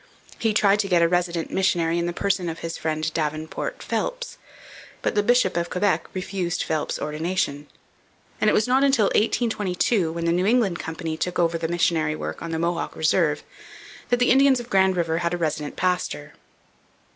He tried to get a resident missionary in the person of his friend Davenport Phelps, but the bishop of Quebec refused Phelps ordination; and it was not until 1822, when the New England Company took over the missionary work on the Mohawk reserve, that the Indians of Grand River had a resident pastor.